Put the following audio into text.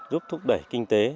giúp thúc đẩy kinh tế